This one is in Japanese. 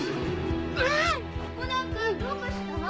・う⁉・コナンくんどうかした？